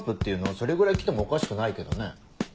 それぐらい来てもおかしくないけどね。